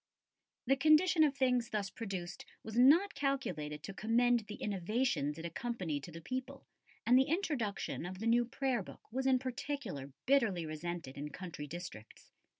The condition of things thus produced was not calculated to commend the innovations it accompanied to the people, and the introduction of the new Prayer book was in particular bitterly resented in country districts.